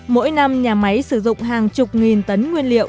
mỗi năm nhà máy sử dụng hàng chục nghìn tấn nguyên liệu